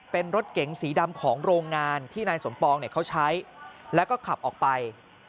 เป็นรถเก๋งสีดำของโรงงานที่นายสมปองเนี่ยเขาใช้แล้วก็ขับออกไป